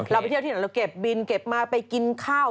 ไปเที่ยวที่ไหนเราเก็บบินเก็บมาไปกินข้าว